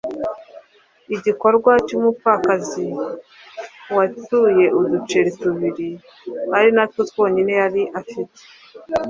Igikorwa cy’umupfakazi watuye uduceri tubiri ari natwo twonyine yari afite,